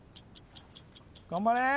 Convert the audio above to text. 頑張れ！